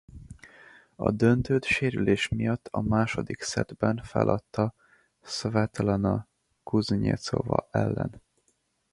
A döntőt sérülés miatt a második szettben feladta Szvetlana Kuznyecova ellen.